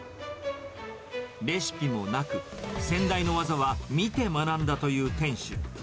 レシピもなく、先代の技は見て学んだという店主。